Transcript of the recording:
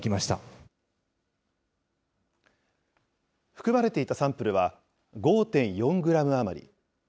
含まれていたサンプルは、５．４グラム余り。